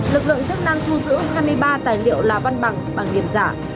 lực lượng chức năng thu giữ hai mươi ba tài liệu là văn bằng bằng tiền giả